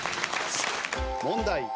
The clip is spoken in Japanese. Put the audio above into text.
問題。